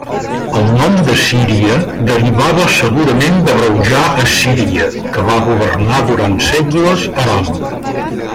El nom de Síria derivava segurament d'abreujar Assíria, que va governar durant segles Aram.